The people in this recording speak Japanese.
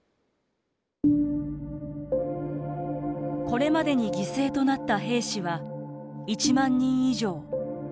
これまでに犠牲となった兵士は１万人以上。